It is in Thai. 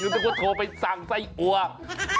อยู่เป็นคนโทรไปสั่งไส้อ่วง